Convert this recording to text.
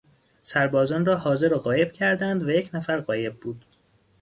سربازان را حاضر و غایب کردند و یک نفر غایب بود.